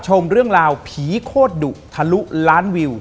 ขอบคุณนะครับน้ำ